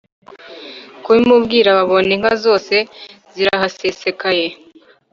kubimubwira babona inka zose zirahasesekaye.